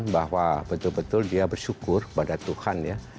bahwa betul betul dia bersyukur kepada tuhan ya